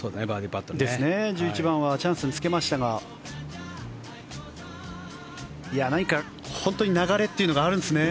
１１番はチャンスにつけましたが何か流れというのが本当にあるんですね。